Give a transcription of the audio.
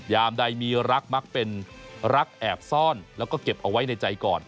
ยามใดมีรักมักเป็นรักแอบซ่อนแล้วก็เก็บเอาไว้ในใจก่อน